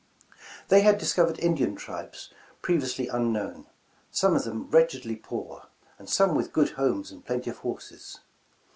They had discovered Indian tribes, previously unknown, some of them wretchedly poor, and some with good homes and plenty of horses.